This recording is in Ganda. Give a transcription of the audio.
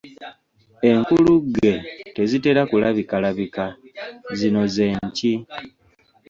Enkulugge tezitera kulabikalabika, zino ze nki?